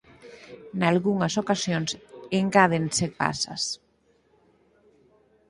Nalgunhas ocasións engádense pasas.